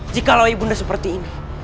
jika lo ibunda seperti ini